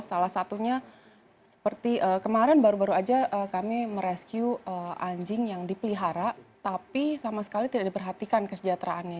salah satunya seperti kemarin baru baru saja kami merescue anjing yang dipelihara tapi sama sekali tidak diperhatikan kesejahteraannya